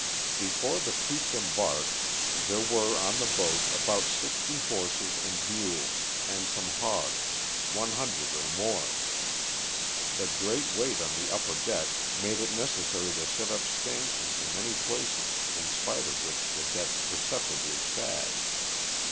Before the troops embarked there LOSS OF THE SULTANA. 17 were on the boat about sixty horses and mules and some hogs —one hundred or more. The great weight on the upper deck made it necessary to set up stanchions in many places in spite of which the deck perceptibly sagged.